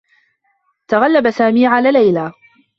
تغلّب سامي على ليلى.